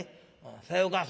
「さようか。